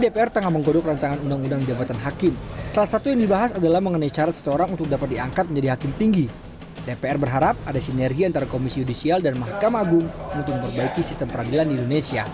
pemerintah pun diminta mengambil langkah cepat untuk mengevaluasi berbagai polemik dalam bidang hukum di indonesia